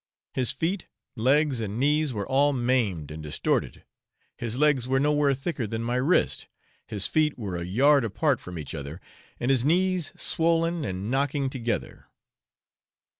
His feet, legs, and knees were all maimed and distorted, his legs were nowhere thicker than my wrist, his feet were a yard apart from each other, and his knees swollen and knocking together.